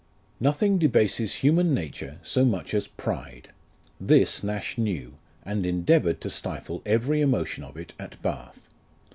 Nothing debases human nature so much as pride. This Nash, knew, and endeavoured to stifle every emotion of it at Bath.